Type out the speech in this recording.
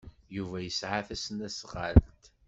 Yuba yesɛa tasnasɣalt.